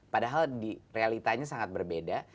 padahal realitanya sangat berbeda